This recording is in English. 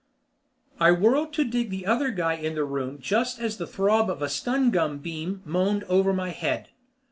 I whirled to dig the other guy in the room just as the throb of a stun gun beam moaned over my head.